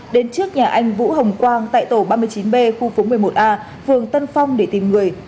đến trước nhà anh vũ hồng quang tại tổ ba mươi chín b khu phố một mươi một a phường tân phong để tìm người